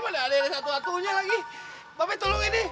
mana ada satu satunya lagi baabe tolongin nih